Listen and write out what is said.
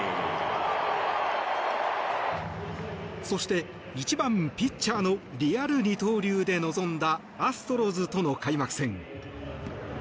そして、１番ピッチャーのリアル二刀流で臨んだアストロズとの開幕戦。